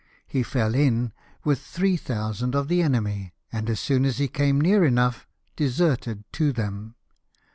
He fell in with 3,000 of the enemy ; and, as soon as he came near enough deserted to them.